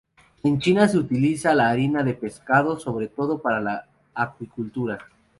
En China se utiliza la harina de pescado sobre todo para la acuicultura.